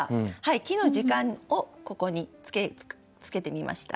木の時間をここにつけてみました。